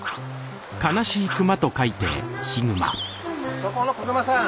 そこの子熊さん